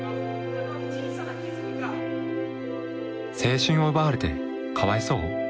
「青春を奪われてかわいそう」。